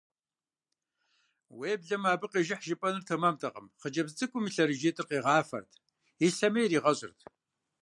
Уеблэмэ, абы къежыхь жыпӀэныр тэмэмтэкъым: хъыджэбз цӀыкӀум и лъэрыжитӀыр къигъафэрт, ислъэмей яригъэщӀырт.